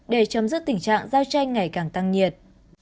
để chấm dứt tình trạng giao tranh ngày càng tăng nhiệt